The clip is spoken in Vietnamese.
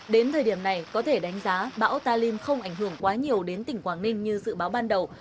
đến thời điểm này có thể đánh giá bão talim không ảnh hưởng quá nhiều đến tỉnh quảng ninh như dự báo ban đầu